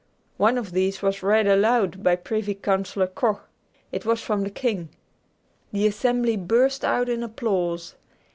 One of these was read aloud by Privy Councillor Koch. It was from the king. The assembly burst out in applause.